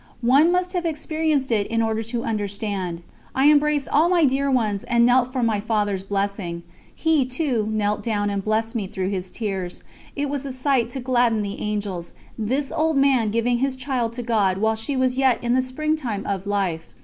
One must have experienced it in order to understand. I embraced all my dear ones and knelt for my Father's blessing. He, too, knelt down and blessed me through his tears. It was a sight to gladden the Angels, this old man giving his child to God while she was yet in the springtime of life.